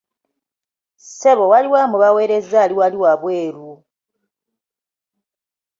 Ssebo waliwo amubawerezza ali wali wabweru.